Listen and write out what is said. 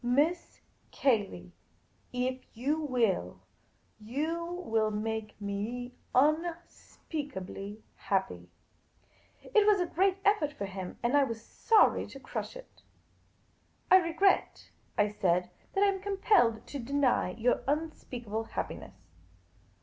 " Miss Cayley, if you will, you will make me un speakably happy." It was a great effort for him — and I was sorrj^ to crush it. " I regret," I said, " that I am compelled to deny you un speakable happiness."